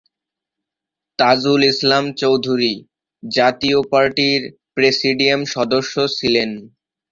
তাজুল ইসলাম চৌধুরী জাতীয় পার্টির প্রেসিডিয়াম সদস্য ছিলেন।